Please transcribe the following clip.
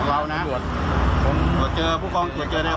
แล้วชื่ออะไร